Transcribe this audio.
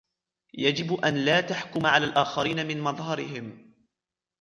يجب أن لا تحكم على الآخرين من مظهرهم.